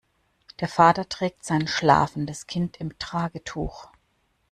Der Vater trägt sein schlafendes Kind im Tragetuch.